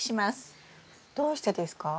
どうしてですか？